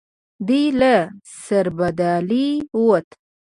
دی له سربدالۍ ووت.